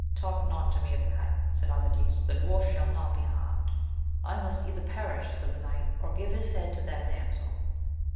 Talk not to me of that, said Amadis : the dwarf shall not be harmed. I must either perish, said the knight, or give his head to that damsel.